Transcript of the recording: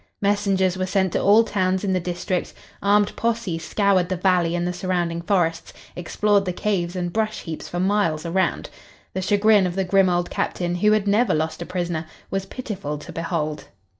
Messengers were sent to all towns in the district; armed posses scoured the valley and the surrounding forests, explored the caves and brush heaps for miles around. The chagrin of the grim old Captain, who had never lost a prisoner, was pitiful to behold.